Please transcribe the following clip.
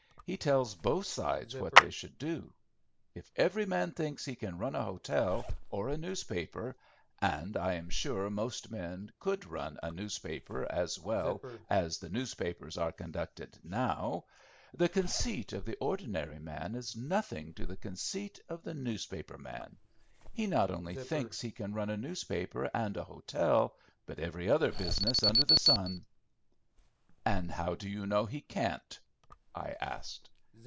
He tells both sides what they should do. If every man thinks he can run a hotel, or a newspaper—and I am sure most men could run a newspaper as well as the newspapers are conducted now—the conceit of the ordinary man is nothing to the conceit of the newspaper man. He not only thinks he can run a newspaper and a hotel, but every other business under the sun." "And how do you know he can't," I asked.